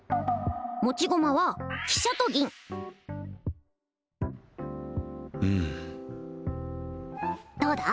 持ち駒は飛車と銀うんどうだ？